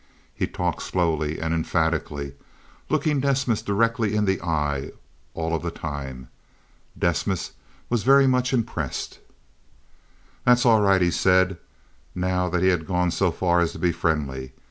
He talked slowly and emphatically, looking Desmas directly in the eye all of the time. Desmas was very much impressed. "That's all right," he said, now that he had gone so far as to be friendly.